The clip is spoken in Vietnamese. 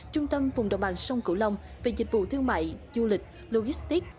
trung tâm vùng đồng bằng sông cửu long về dịch vụ thương mại du lịch logistic